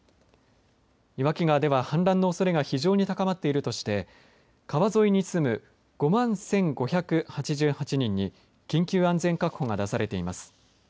岩木川では氾濫のおそれが非常に高まっているとして川沿いに住む５万１５８８人に緊急安全確保が出されています。